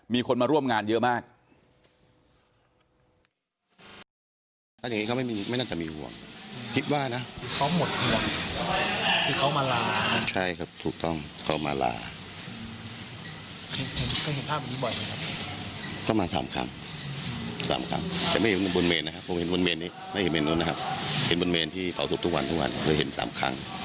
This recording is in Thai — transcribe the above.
มีคนมาร่วมงานเยอะมาก